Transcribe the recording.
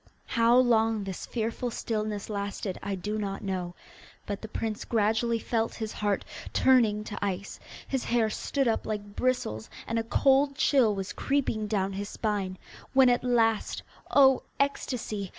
How long this fearful stillness lasted I do not know, but the prince gradually felt his heart turning to ice, his hair stood up like bristles, and a cold chill was creeping down his spine, when at last oh, ecstasy!